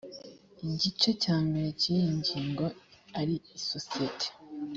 igice cya mbere cy’iyi ngingo ari isosiyete,